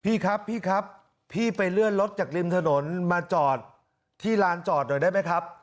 พี่ครับพี่ครับพี่ไปเลื่อนรถจากริมถนนมาจอดที่ลานจอดหน่อยได้ไหมครับ